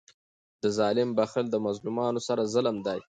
د ظالم بخښل د مظلومانو سره ظلم دئ.